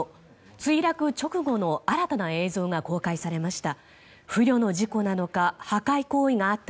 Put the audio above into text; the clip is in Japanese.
墜落直後の新たな映像が公開されました。